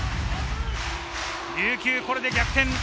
琉球、これで逆転。